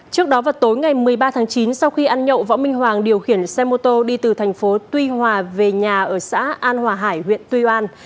trước đó vào tối ngày một mươi ba tháng chín sau khi ăn nhậu võ minh hoàng điều khiển xe mô tô đi từ thành phố tuy hòa về nhà ở xã an hòa hải huyện tuy an